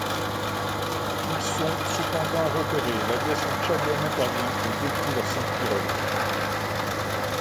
Ils sont cependant repérés, l'aviation tchadienne intervient et détruit leurs cinq pirogues.